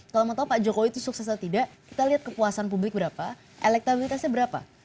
kalau mau tahu pak jokowi itu sukses atau tidak kita lihat kepuasan publik berapa elektabilitasnya berapa